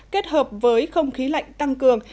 kết hợp với không khí lạnh tăng cường